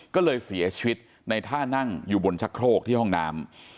ก็เลยเสียชีวิตในท่านั่งอยู่บนชะโครกที่ห้องน้ำ